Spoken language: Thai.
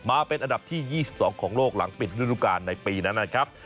มาเป็นอันดับที่๒๒ของโลกหลังปิดฤดูการในปีนั้นนะครับ